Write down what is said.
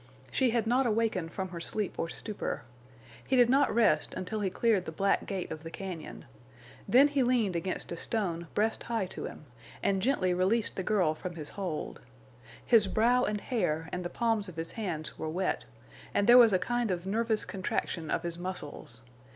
She had not awakened from her sleep or stupor. He did not rest until he cleared the black gate of the cañon. Then he leaned against a stone breast high to him and gently released the girl from his hold. His brow and hair and the palms of his hands were wet, and there was a kind of nervous contraction of his muscles.